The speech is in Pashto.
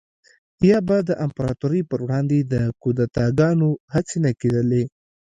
یا به د امپراتورۍ پروړاندې د کودتاګانو هڅې نه کېدلې